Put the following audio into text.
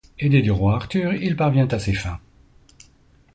Aidé du roi Arthur, il parvient à ses fins.